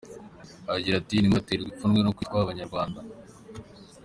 Agira ati “Ntimugaterwe ipfunwe no kwitwa Abanyarwanda.